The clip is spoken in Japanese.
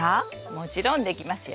もちろんできますよ！